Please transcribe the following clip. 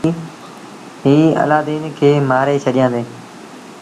ائيٚݩ الآدين کي مآري ڇڏيآندي۔